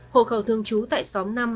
hộ khẩu thương chú tại xóm năm